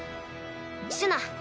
・シュナ。